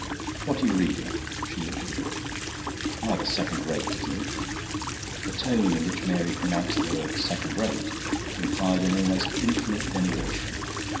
"What are you reading?" She looked at the book. "Rather second rate, isn't it?" The tone in which Mary pronounced the word "second rate" implied an almost infinite denigration.